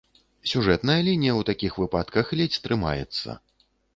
Сюжэтная лінія ў такіх выпадках ледзь трымаецца.